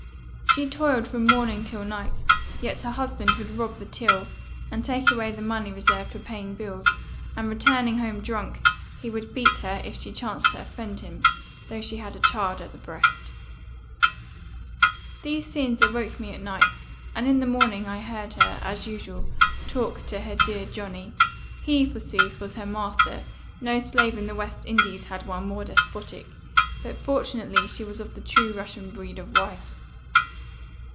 She toiled from morning till night; yet her husband would rob the till, and take away the money reserved for paying bills; and, returning home drunk, he would beat her if she chanced to offend him, though she had a child at the breast. "These scenes awoke me at night; and, in the morning, I heard her, as usual, talk to her dear Johnny he, forsooth, was her master; no slave in the West Indies had one more despotic; but fortunately she was of the true Russian breed of wives.